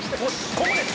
ここです！」